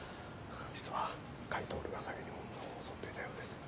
実は甲斐享が先に女を襲っていたようです。